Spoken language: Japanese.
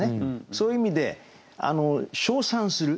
そういう意味で称賛する。